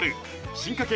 進化系